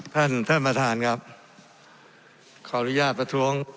ท่านประธานท่านประธานครับขออนุญาตประท้วง